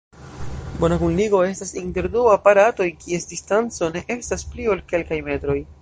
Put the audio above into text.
Bona kunligo estas inter du aparatoj, kies distanco ne estas pli ol kelkaj metroj.